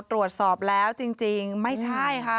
ตรวจสอบแล้วจริงไม่ใช่ค่ะ